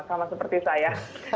sama seperti saya